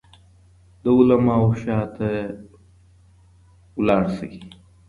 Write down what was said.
د علماوو شاته ولاړ شئ.